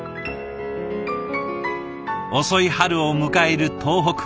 遅い春を迎える東北。